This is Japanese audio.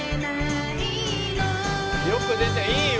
「よく出てるいいよ！」